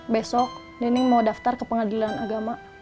besok nining mau daftar ke pengadilan agama